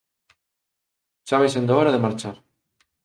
Xa vai sendo hora de marchar